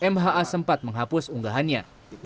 mha sempat menghapus unggahannya